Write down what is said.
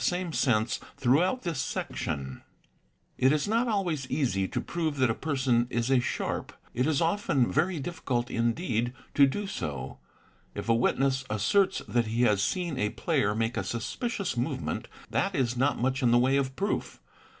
A H F z 1 i iG i | 4 SHARPS AND FLATS ; 821 It is not always easy to prove that a person is a sharp; it is often very difficult indeed to do so. If a witness asserts that he has seen a player make a suspicious movement, that is not much in the way of proof.